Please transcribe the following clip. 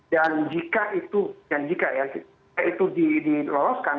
dan jika itu diloloskan